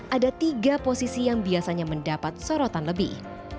ada tiga posisi yang biasanya mendapat sorotan lebih